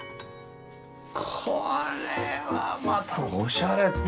これはまたおしゃれというか。